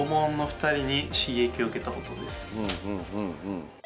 うんうんうんうん。